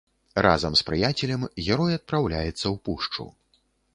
Разам з прыяцелем герой адпраўляецца ў пушчу.